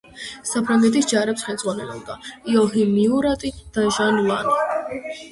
საფრანგეთის ჯარებს ხელმძღვანელობდა იოაჰიმ მიურატი და ჟან ლანი.